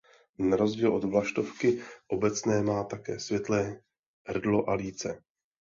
Na rozdíl od vlaštovky obecné má také světlé hrdlo a líce.